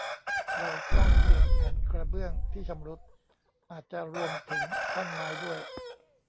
เราต้องเปลี่ยนแผ่นกระเบื้องที่ชำรุด อาจจะรวมถึงท่อนไม้ด้วย